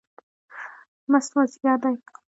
مست مازدیګر دی